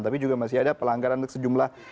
tapi juga masih ada pelanggaran untuk sejumlah